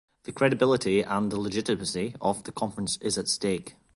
The credibility and legitimacy of the Conference is at stake.